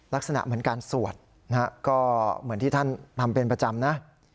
ลักษณะเหมือนการสวดนะฮะก็เหมือนที่ท่านทำเป็นประจำนะ